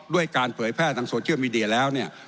ด้วยการเผยแพร่ทางโซเชียลมีเดียแล้วเนี่ย